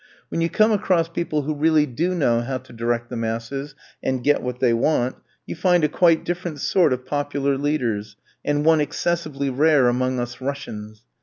When you come across people who really do know how to direct the masses, and get what they want, you find a quite different sort of popular leaders, and one excessively rare among us Russians.